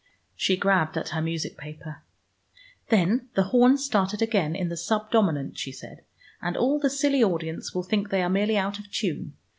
She grabbed at her music paper. "Then the horns start it again in the subdominant," she said, "and all the silly audience will think they are merely out of tune.